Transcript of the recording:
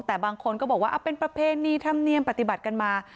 แต่บางคนก็บอกว่าเป็นประเพณีธรรมเนียมปฏิบัติกันมา